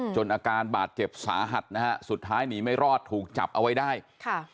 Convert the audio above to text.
อาการบาดเจ็บสาหัสนะฮะสุดท้ายหนีไม่รอดถูกจับเอาไว้ได้ค่ะ